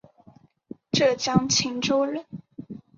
浙江鄞县人。